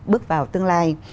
bước vào tương lai